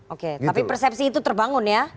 oke tapi persepsi itu terbangun ya